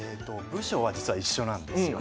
部署は実は一緒なんですよ